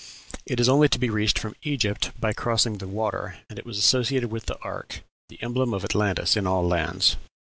It was only to be reached from Egypt by crossing the water, and it was associated with the ark, the emblem of Atlantis in all lands.